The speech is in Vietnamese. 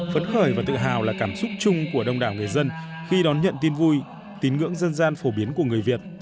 phấn khởi và tự hào là cảm xúc chung của đông đảo người dân khi đón nhận tin vui tín ngưỡng dân gian phổ biến của người việt